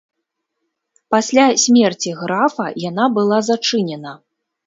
Пасля смерці графа яна была зачынена.